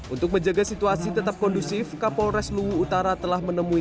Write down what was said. untuk menjaga situasi tetap kondusif kapolres luwu utara telah menemui